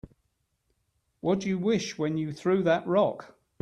What'd you wish when you threw that rock?